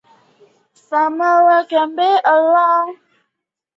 集惠寺始建于清朝乾隆四十八年。